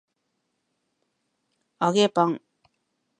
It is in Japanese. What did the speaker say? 揚げパン